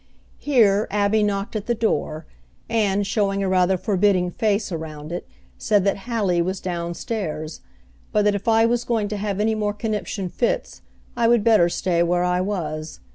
Here Abby knocked at the door, and, showing a rather forbidding face around it, said that Hallie was down stairs; but that if I was going to have any more conniption fits I would better stay where I was.